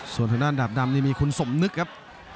ส่วนทางด้านดาบดำนี่มีคุณสมนึกครับ